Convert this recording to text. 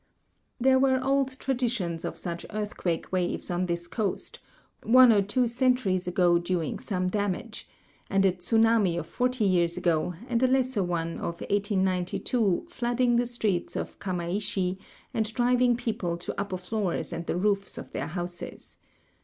There were old traditions of such earthquake waves on this coast, one of two centuries ago doing some damage, and a tsunami of fort}'^ years ago and a lesser one of 1892 flooding the streets of Kamaishi and driving })eople to upper floors and the roofs of their houses.